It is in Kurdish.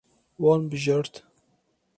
Wan bijart.